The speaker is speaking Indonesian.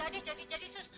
jadi jadi jadi sus